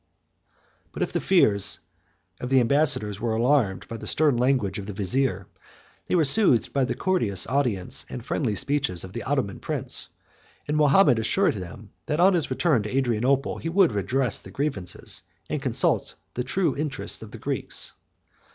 But if the fears of the ambassadors were alarmed by the stern language of the vizier, they were soothed by the courteous audience and friendly speeches of the Ottoman prince; and Mahomet assured them that on his return to Adrianople he would redress the grievances, and consult the true interests, of the Greeks.